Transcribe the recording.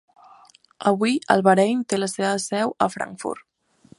Avui, el Verein té la seva seu a Frankfurt.